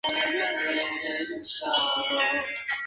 Se encuentra en los valles cálidos, cultivadas en C y E de China.